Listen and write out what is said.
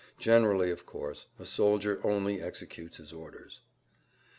Generally, of course, a soldier only executes his orders.